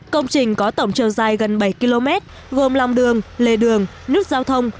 công trình có tổng chiều dài gần bảy km gồm lòng đường lề đường nút giao thông